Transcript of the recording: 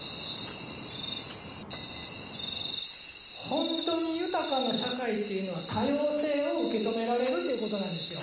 ほんとに豊かな社会っていうのは多様性を受け止められるっていうことなんですよ。